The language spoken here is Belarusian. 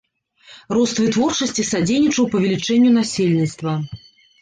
Рост вытворчасці садзейнічаў павелічэнню насельніцтва.